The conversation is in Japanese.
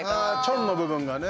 チョンの部分がね。